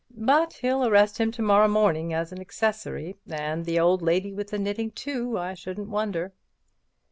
But he'll arrest him to morrow as an accessory—and the old lady with the knitting, too, I shouldn't wonder."